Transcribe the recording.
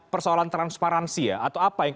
persoalan transparansi ya atau apa yang